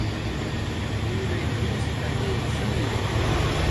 سکُول لݵ فس کاتݵ چھی